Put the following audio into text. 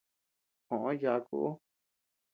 Joʼó yàaku ú.